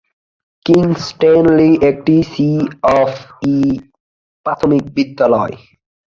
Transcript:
King's Stanley একটি C of E প্রাথমিক বিদ্যালয়।